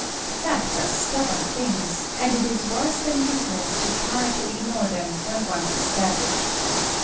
Facts are stubborn things, and it is worse than useless to try to ignore them when once established.